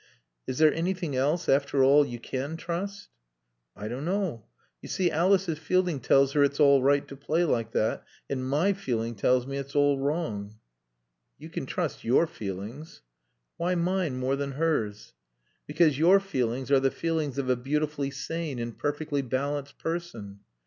"Is there anything else, after all, you can trust?" "I don't know. You see, Alice's feeling tells her it's all right to play like that, and my feeling tells me it's all wrong." "You can trust your feelings." "Why mine more than hers?" "Because your feelings are the feelings of a beautifully sane and perfectly balanced person."